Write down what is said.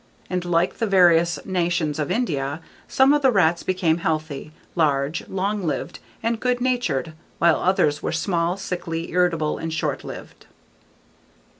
And like the various nations of India, some of the rats became healthy, large, long lived, and good natured while others were small, sickly, irritable, and short lived.